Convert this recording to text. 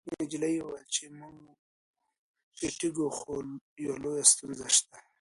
نجلۍ وویل چې موږ پټیږو خو یوه لویه ستونزه شته